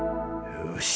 よし。